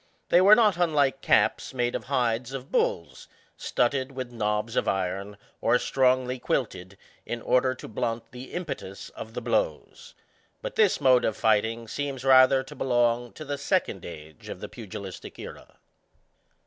They were not unlike caps made of hides of bulls, studded with nobs of iron, or strongly quilted, in order to blunt the impefvs of the blows ; but this mode of fighting seems rather to belong to the second aje of the pugilistic era.